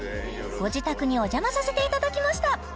ご自宅にお邪魔させていただきました